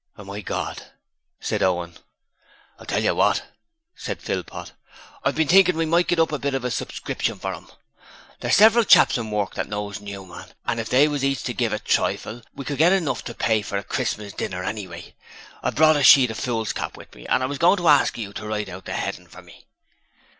'My God!' said Owen. 'I'll tell you what,' said Philpot. 'I've been thinking we might get up a bit of a subscription for 'em. There's several chaps in work what knows Newman, and if they was each to give a trifle we could get enough to pay for a Christmas dinner, anyway. I've brought a sheet of foolscap with me, and I was goin' to ask you to write out the heading for me.'